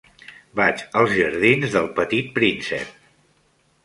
Vaig als jardins d'El Petit Príncep.